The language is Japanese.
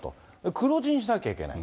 黒字にしなきゃいけない。